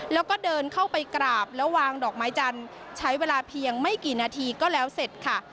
แล้วก็เดินเข้าไปกราบแล้ววางดอกไม้จันทร์ใช้เวลาเพียงไม่กี่นาทีก็แล้วเสร็จค่ะ